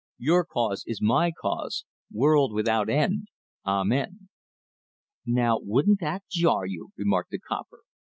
Your cause is my cause, world without end. Amen." "Now wouldn't that jar you?" remarked the "copper."